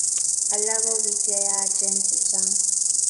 alak ko kii cheyachen chechang